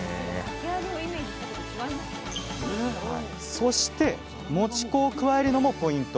そしてもち粉を加えるのもポイント！